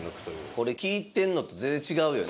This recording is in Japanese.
これ聞いてるのと全然違うよね。